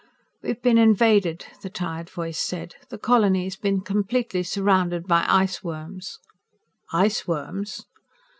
"We've been invaded," the tired voice said. "The colony's been completely surrounded by iceworms." "Iceworms?"